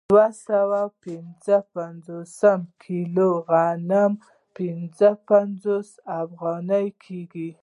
دوه سوه پنځه پنځوس کیلو غنم پنځه پنځوس افغانۍ کېږي